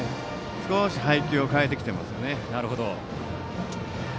少し配球を変えてきていますね。